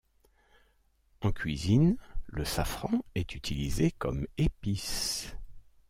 En cuisine le safran est utilisé comme épice.